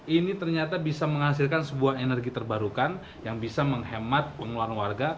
ini ternyata bisa menghasilkan sebuah energi terbarukan yang bisa menghemat pengeluaran warga